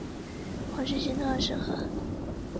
恐惧心痛的时刻